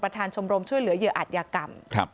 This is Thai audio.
ประธานชมรมช่วยเหลือเหยื่ออัธยกรรม